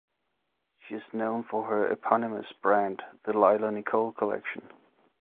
She is known for her eponymous brand the "Lila Nikole Collection".